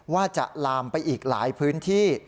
ว่าจะลามไปอีกหลายพื้นที่